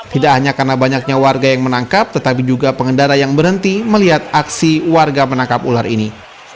tidak hanya karena banyaknya warga yang menangkap tetapi juga pengendara yang berhenti melihat aksi warga menangkap ular ini